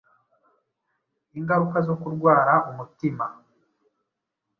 ingaruka zo kurwara umutima,